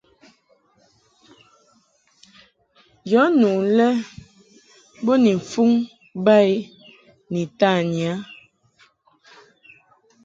Yɔ nu lɛ bo ni mfuŋ ba i ni tanyi a.